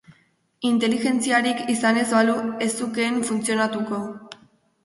Inteligentziarik izan ez balu, ez zukeen funtzionatuko.